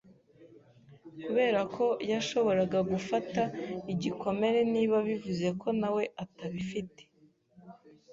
kuberako yashoboraga gufata igikomere niba bivuze ko nawe atabifite.